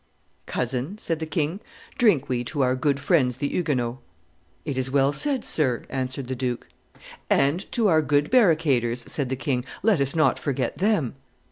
'Cousin,' said the king, 'drink we to our good friends the Huguenots.' 'It is well said, sir,' answered the duke. 'And to our good barricaders,' said the king; 'let us not forget them.